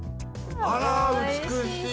あら美しい！